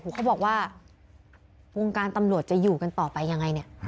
เขาบอกว่าวงการตำรวจจะอยู่กันต่อไปยังไงเนี่ย